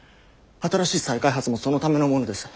新しい再開発もそのためのものです。